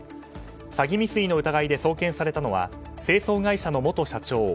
詐欺未遂の疑いで送検されたのは清掃会社の元社長